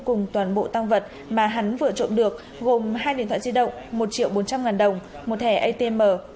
cùng toàn bộ tăng vật mà hắn vừa trộm được gồm hai điện thoại di động một triệu bốn trăm linh ngàn đồng một thẻ atm